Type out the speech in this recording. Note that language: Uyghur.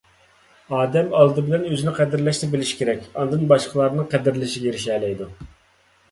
ئادەم ئالدى بىلەن ئۆزىنى قەدىرلەشنى بىلىشى كېرەك، ئاندىن باشقىلارنىڭ قەدىرلىشىگە ئېرىشەلەيدۇ.